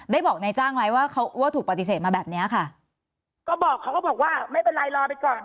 บอกนายจ้างไหมว่าเขาว่าถูกปฏิเสธมาแบบเนี้ยค่ะก็บอกเขาก็บอกว่าไม่เป็นไรรอไปก่อน